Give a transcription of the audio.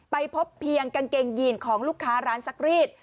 ไปพบเพียงกางเกงยีนของลูกค้าร้านซักรีด